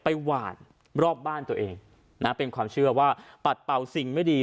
หวานรอบบ้านตัวเองนะเป็นความเชื่อว่าปัดเป่าสิ่งไม่ดี